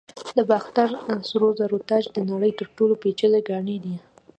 د باختر سرو زرو تاج د نړۍ تر ټولو پیچلي ګاڼې دي